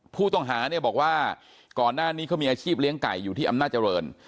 ผู้ต้องหาเนี่ยบอกว่าก่อนหน้านี้เขามีอาชีพเลี้ยงไก่อยู่ที่อำนาจริง